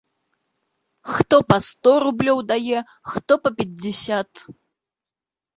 Хто па сто рублёў дае, хто па пяцьдзясят.